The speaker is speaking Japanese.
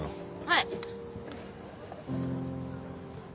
はい。